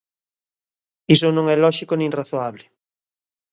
Iso non é lóxico nin razoable.